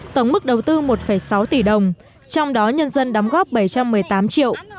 tổng mức đầu tư một sáu tỷ đồng trong đó nhân dân đóng góp bảy trăm một mươi tám triệu